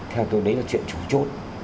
theo tôi đấy là chuyện trù chốt